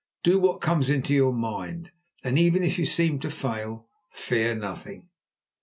Do what comes into your mind, and even if you seem to fail, fear nothing.